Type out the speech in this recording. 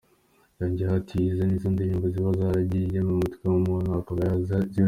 Yongeyeho ati “Izo ni indirimbo ziba zarasigaye mu mutwe w’umuntu kandi zirabyinitse.